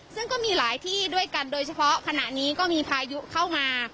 ซึ่งก็มีหลายที่ด้วยกันโดยเฉพาะขณะนี้ก็มีพายุเข้ามา